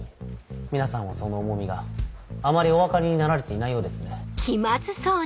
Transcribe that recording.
皆さんはその重みがあまりお分かりになられていないようですね。